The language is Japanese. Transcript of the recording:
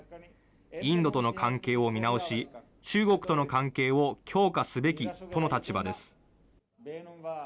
インドとの関係を見直し、中国との関係を強化すべきとの立場です。